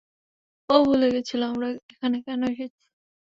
ও ভুলে গেছিলো, আমরা এখানে কেন এসেছি।